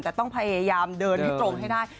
แต่ต้องพยายามเดินให้ตรงให้ได้